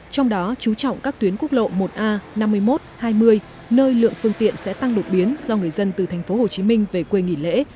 trong đó chú trọng các tuyến quốc lộ một a năm mươi một hai mươi nơi lượng phương tiện sẽ tăng đột biến do người dân từ tp hcm về quê nghỉ lễ